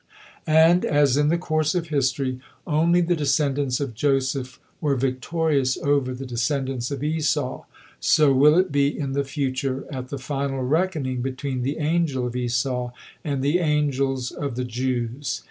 And, as in the course of history only the descendants of Joseph were victorious over the descendants of Esau, so will it be in the future, at the final reckoning between the angel of Esau and the angels of the Jews.